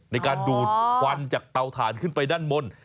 ในการดูดควันจากเตาถ่านขึ้นไปด้านบน